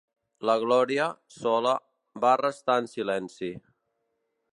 La Glòria, sola, va restar en silenci.